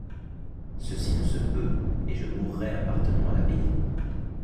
Cecy ne se peut, et ie mourray appartenant à l’abbaye.